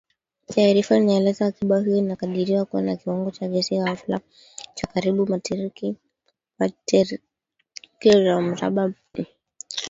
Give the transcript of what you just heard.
Taarifa inaeleza, akiba hiyo inakadiriwa kuwa na kiwango cha gesi ghafi cha karibu metriki za mraba bilioni mia moja hadi mia tatu arobaini